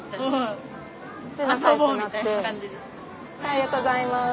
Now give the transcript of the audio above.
ありがとうございます。